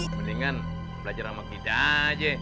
mendingan belajar ramak didah aja